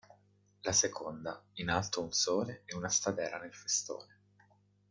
La seconda, in alto un sole e una stadera nel festone.